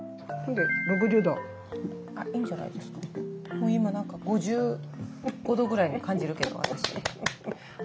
もう今何か５５度ぐらいに感じるけど私。